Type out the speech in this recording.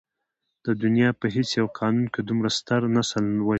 د دنيا په هېڅ يو قانون کې دومره ستر نسل وژنه.